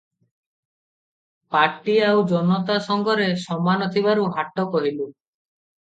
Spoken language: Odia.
ପାଟି ଆଉ ଜନତା ସଙ୍ଗରେ ସମାନ ଥିବାରୁ ହାଟ କହିଲୁ ।